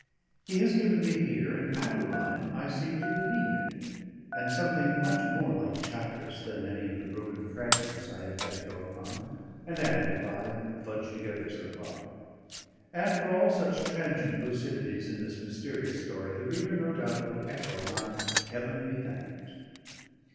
He has given me here an Adeline I seem to believe in, and something much more like Chatteris than any of the broken fragments I have had to go upon, and amplify and fudge together so far. And for all such transient lucidities in this mysterious story, the reader no doubt will echo my Heaven be thanked!